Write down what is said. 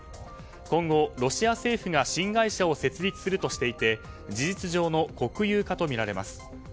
今後、ロシア政府が新会社を設立するとしていて事実上の国有化とみられます。